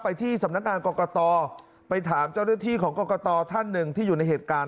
ที่สำนักงานกรกตไปถามเจ้าหน้าที่ของกรกตท่านหนึ่งที่อยู่ในเหตุการณ์